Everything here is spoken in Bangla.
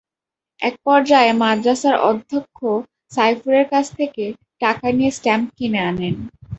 একপর্যায়ে মাদ্রাসার অধ্যক্ষ সাইফুরের কাছ থেকে টাকা নিয়ে স্ট্যাম্প কিনে আনেন।